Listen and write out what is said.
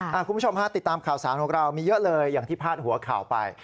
คุณผู้ชมฮะติดตามข่าวสารของเรามีเยอะเลยอย่างที่พาดหัวข่าวไป